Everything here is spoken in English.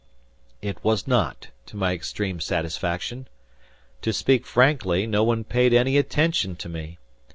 It was not, to my extreme satisfaction. To speak frankly, no one paid any attention to me.